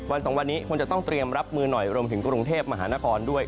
สองวันนี้ควรจะต้องเตรียมรับมือหน่อยรวมถึงกรุงเทพมหานครด้วย